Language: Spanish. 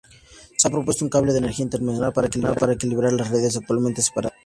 Se ha propuesto un cable de energía interinsular para equilibrar las redes actualmente separadas.